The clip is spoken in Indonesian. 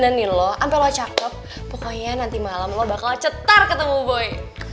berenangin lo ampel cakep pokoknya nanti malam lo bakal cetar ketemu boy